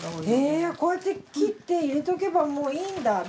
へぇこうやって切って入れておけばもういいんだ。